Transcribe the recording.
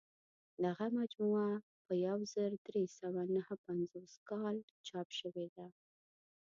دغه مجموعه په یو زر درې سوه نهه پنځوس کال چاپ شوې ده.